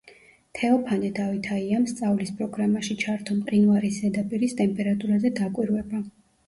თეოფანე დავითაიამ სწავლის პროგრამაში ჩართო მყინვარის ზედაპირის ტემპერატურაზე დაკვირვება.